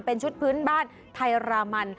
เป็นชุดพื้นบ้านไทยรามัน